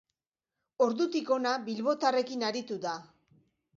Ordutik hona, bilbotarrekin aritu da.